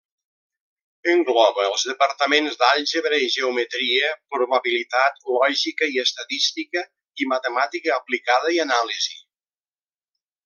Engloba els departaments d'Àlgebra i Geometria, Probabilitat, lògica i estadística i Matemàtica aplicada i anàlisi.